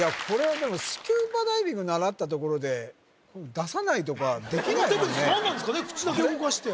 これはでもスキューバダイビング習ったところで出さないとかできないもんね